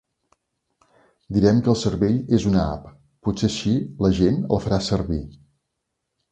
Direm que el cervell és una app; potser així la gent el farà servir...